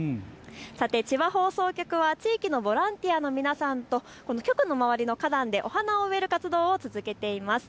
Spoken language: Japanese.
千葉放送局は地域のボランティアの皆さんと局の周りの花壇でお花を植える活動を続けています。